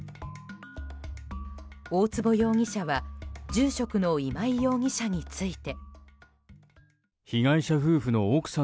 大坪容疑者は住職の今井容疑者について。